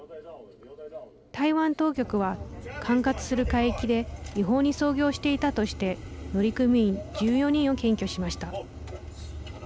台湾当局は管轄する海域で違法に操業していたとして乗組員１４人を検挙しました。